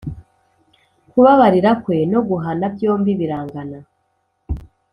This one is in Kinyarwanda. Kubabarira kwe no guhana, byombi birangana,